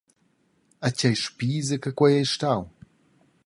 E tgei spisa che quei ei stau!